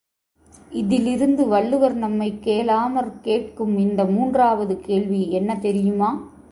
இதிலிருந்து வள்ளுவர் நம்மைக் கேளாமற் கேட்கும் இந்த மூன்றாவது கேள்வி என்ன தெரியுமா?